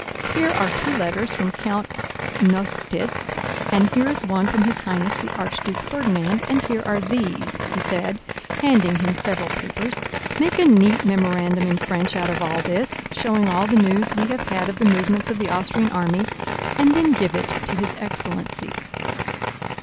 Here are two letters from Count Nostitz and here is one from His Highness the Archduke Ferdinand and here are these," he said, handing him several papers, "make a neat memorandum in French out of all this, showing all the news we have had of the movements of the Austrian army, and then give it to his excellency."